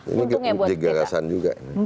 untungnya buat kita ini juga digarasan juga